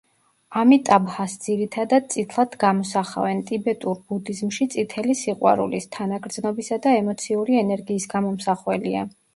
ამიტაბჰას, ძირითადად, წითლად გამოსახავენ; ტიბეტურ ბუდიზმში წითელი სიყვარულის, თანაგრძნობისა და ემოციური ენერგიის გამომსახველია.